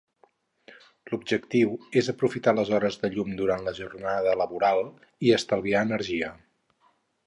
L'objectiu és aprofitar les hores de llum durant la jornada laboral i estalviar energia.